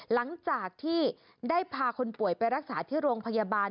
หลังจากที่ได้พาคนป่วยไปรักษาที่โรงพยาบาล